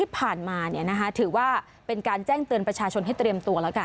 ที่ผ่านมาถือว่าเป็นการแจ้งเตือนประชาชนให้เตรียมตัวแล้วกัน